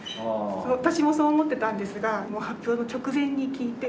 私もそう思っていたんですがもう発表の直前に聞いて。